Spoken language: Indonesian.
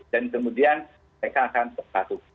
dan kemudian mereka akan berpatu